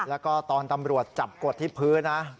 แล้วก็ตอนตำรวจจับกดที่พื้นนะ